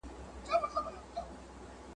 ځواک چي کارول سوی وو، وروستی یرغل وو.